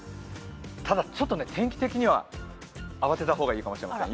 ただ天気的には慌てた方がいいかもしれません。